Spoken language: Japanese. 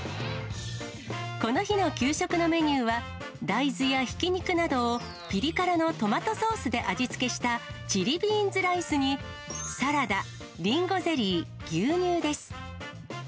この日の給食のメニューは、大豆やひき肉などをピリ辛のトマトソースで味付けしたチリビーンズライスに、サラダ、りんごゼリー、牛乳です。